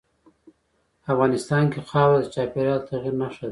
افغانستان کې خاوره د چاپېریال د تغیر نښه ده.